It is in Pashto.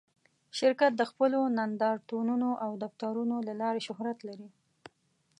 شرکت د خپلو نندارتونونو او دفترونو له لارې شهرت لري.